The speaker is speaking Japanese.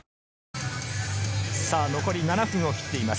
残り７分を切っています。